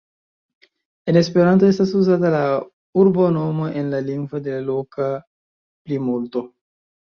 En Esperanto estas uzata la urbonomo en la lingvo de loka plimulto.